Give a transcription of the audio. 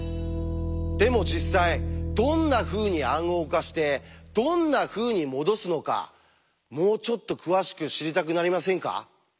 でも実際どんなふうに暗号化してどんなふうにもどすのかもうちょっと詳しく知りたくなりませんか？